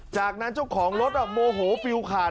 จากนั้นเจ้าของรถโมโหฟิลขาด